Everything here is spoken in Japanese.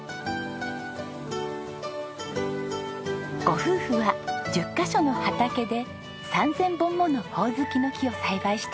ご夫婦は１０カ所の畑で３０００本ものホオズキの木を栽培しています。